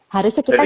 harusnya kita ganti